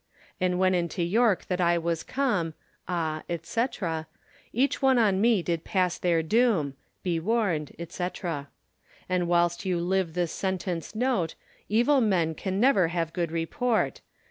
And when into Yorke that I was come, Ah, &c. Each one on me did passe their doome; Be war, &c. And whilst you live this sentence note, Evill men can never have good report.